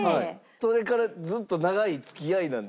それからずっと長い付き合いなんですか？